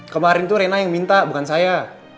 kemarin itu rena yang minta bukan saya